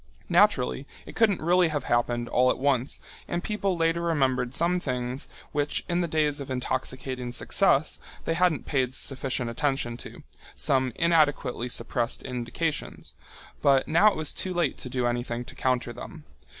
Naturally, it couldn't really have happened all at once, and people later remembered some things which in the days of intoxicating success they hadn't paid sufficient attention to, some inadequately suppressed indications, but now it was too late to do anything to counter them.